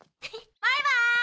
バイバーイ！